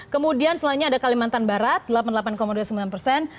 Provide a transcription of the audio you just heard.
kemudian selanjutnya ada kalimantan barat delapan puluh delapan dua puluh sembilan persen